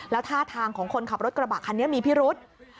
แล้วท่าทางของคนขับรถกระบะคันนี้มีพิรุษ